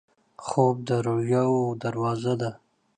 خوب د رویاوو دروازه ده